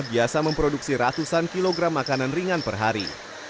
biasa memproduksi ratusan kilogram makanan ringan per hari